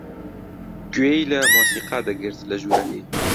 گوێی لە مۆسیقا دەگرت لە ژوورەکەی.